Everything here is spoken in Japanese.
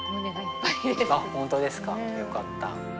あっ本当ですかよかった。